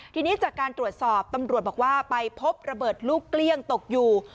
ทีนี้จากการตรวจสอบตำรวจบอกว่าไปพบระเบิดลูกเกลี้ยงตกอยู่